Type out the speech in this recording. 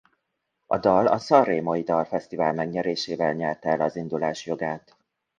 A dal a Sanremói dalfesztivál megnyerésével nyerte el az indulás jogát.